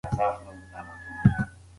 وارث له درده یو ځل اخ کړ.